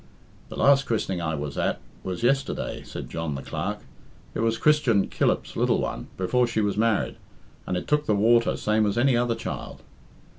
"The last christening I was at was yesterday," said John the Clerk. "It was Christian Killip's little one, before she was married, and it took the water same as any other child."